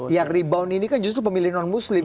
yang rebound ini kan justru pemilih non muslim